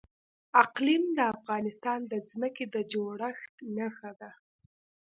اقلیم د افغانستان د ځمکې د جوړښت نښه ده.